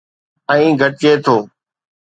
۽ گھٽجي ٿو